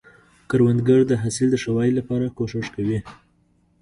کروندګر د حاصل د ښه والي لپاره کوښښ کوي